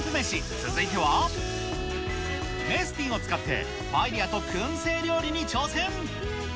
続いては、メスティンを使って、パエリアとくん製料理に挑戦。